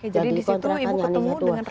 jadi di situ ibu ketemu dengan rekan